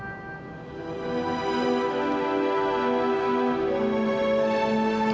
aku mau pergi